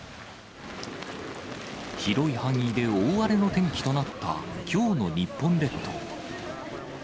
広い範囲で大荒れの天気となったきょうの日本列島。